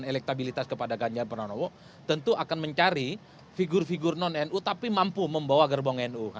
dan elektabilitas kepada ganjar peranowo tentu akan mencari figur figur non nu tapi mampu membawa gerbang nu